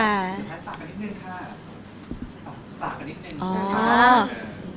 แล้วก็เพื่อนค่ะปากกันนิดนึง